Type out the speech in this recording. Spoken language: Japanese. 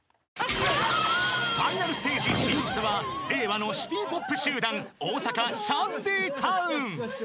［ファイナルステージ進出は令和のシティポップ集団大阪シャンディタウン］